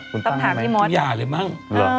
คุณตั้งไหมคุณอย่าเลยมั้ง